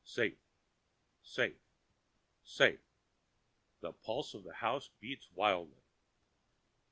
"Safe! safe! safe!" the pulse of the house beats wildly.